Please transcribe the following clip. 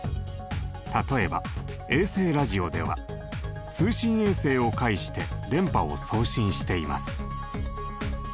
例えば衛星ラジオでは通信衛星を介して電波を送信しています。